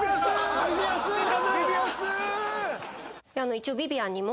一応ビビアンにも。